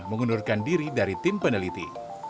mengundurkan diri dari tim peneliti